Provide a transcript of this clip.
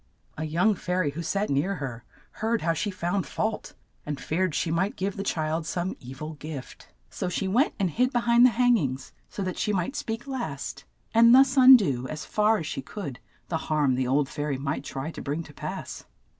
A young fai ry who sat near her, heard how she found fault, and feared she might give the child some e vil gift ; so she went and hid be hind the hang ings, 82 THE SLEEPING BEAUTY so that she might speak last, and thus un do, as far as she could, the harm the old fai ry might try to bring to pass.